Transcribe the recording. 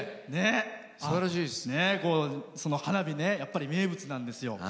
その花火、名物なんですよ。